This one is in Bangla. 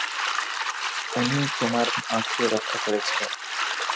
উনি তোমার মাকে রক্ষা করছিলেন।